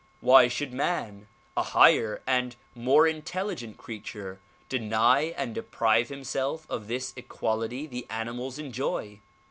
Why should man, a higher and more in telligent creature deny and deprive himself of this equality the animals enjoy?